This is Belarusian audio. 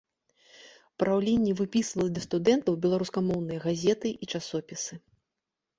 Праўленне выпісвала для студэнтаў беларускамоўныя газеты і часопісы.